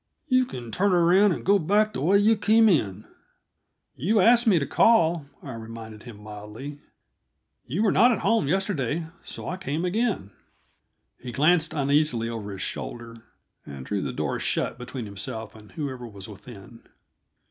"You can turn around and go back the way you came in." "You asked me to call," I reminded him mildly. "You were not at home yesterday, so I came again." He glanced uneasily over his shoulder, and drew the door shut between himself and whoever was within.